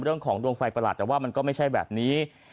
เรื่องของดวงไฟประหลาดแต่ว่ามันก็ไม่ใช่แบบนี้